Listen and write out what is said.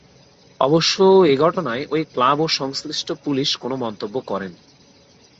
অবশ্য এ ঘটনায় ওই ক্লাব ও সংশ্লিষ্ট পুলিশ কোনো মন্তব্য করেনি।